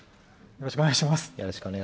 よろしくお願いします。